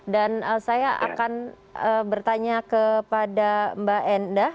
dan saya akan bertanya kepada mbak endah